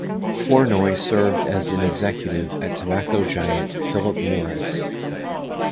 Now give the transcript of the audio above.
Flournoy served as an executive at tobacco giant Philip Morris.